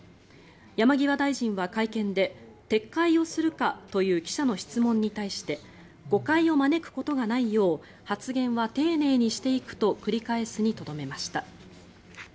山際大臣は会見で撤回をするかという記者の質問に対して誤解を招くことがないよう発言は丁寧にしていくと繰り返すにとどめました。